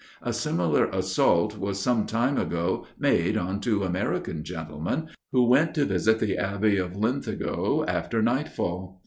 A similar assault was some time ago made on two American gentlemen, who went to visit the abbey of Linlithgow after nightfall.